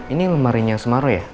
ini lemarinya semaro ya